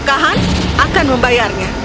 kau akan membayarnya